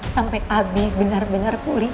sampai abi bener bener pulih